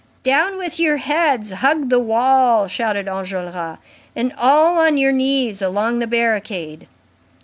"Down with your heads, hug the wall!" shouted Enjolras, "and all on your knees along the barricade!"